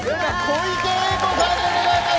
小池栄子さんでございます。